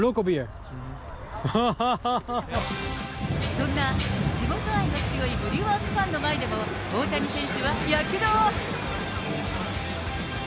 そんな地元愛の強いブリュワーズファンの前でも、大谷選手は躍動。